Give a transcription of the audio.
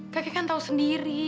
kakek kan tau sendiri